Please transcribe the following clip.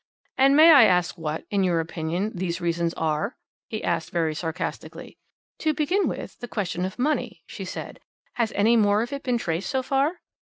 "And may I ask what, in your opinion, these reasons are?" he asked very sarcastically. "To begin with, the question of money," she said "has any more of it been traced so far?"